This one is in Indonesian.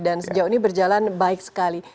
dan sejauh ini berjalan baik sekali